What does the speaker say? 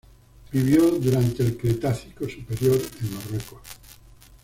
Vivió durante el Cretácico Superior en Marruecos.